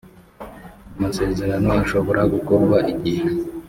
amasezerano ashobora gukorwa igihe